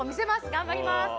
頑張ります！